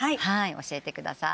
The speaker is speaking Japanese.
教えてください。